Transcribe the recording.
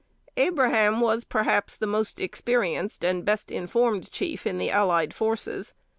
Abraham was, perhaps, the most experienced and best informed chief in the allied forces.